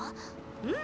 うん。